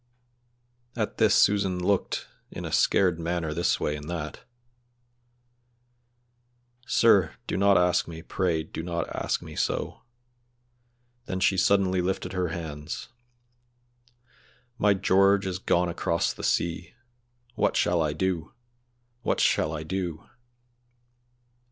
At this Susan looked in a scared manner this way and that. "Sir, do not ask me, pray do not ask me so;" then she suddenly lifted her hands, "My George is gone across the sea! What shall I do! what shall I do!!"